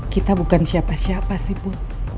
kita bukan siapa siapa sih bu